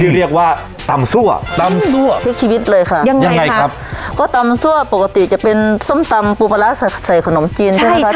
เรียกว่าตำซั่วตำซั่วพลิกชีวิตเลยค่ะยังไงครับก็ตำซั่วปกติจะเป็นส้มตำปูปลาร้าใส่ใส่ขนมจีนใช่ไหมคะ